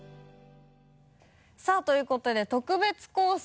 さぁということで特別コース